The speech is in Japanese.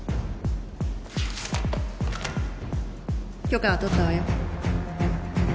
許可は取ったわよ。